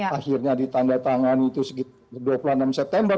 akhirnya ditanda tangan itu dua puluh enam september